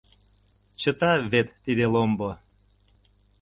— Чыта... вет тиде ломбо.